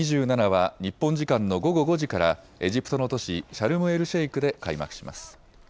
ＣＯＰ２７は日本時間の午後５時から、エジプトの都市シャルムエルシェイクで開幕します。